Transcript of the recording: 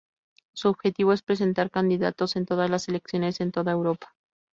Su objetivo es presentar candidatos en todas las elecciones en toda Europa.